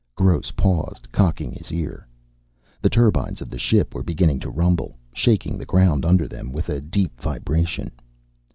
Gross paused, cocking his ear. The turbines of the ship were beginning to rumble, shaking the ground under them with a deep vibration.